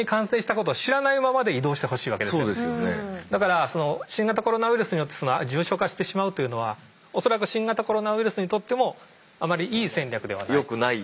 だからその新型コロナウイルスによって重症化してしまうというのは恐らく新型コロナウイルスにとってもあまりいい戦略ではない。